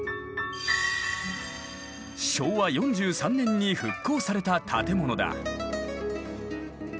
昭和４３年に復興された建物だ。